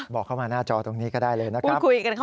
บอกเข้ามาหน้าจอตรงนี้ก็ได้เลยนะครับ